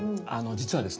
実はですね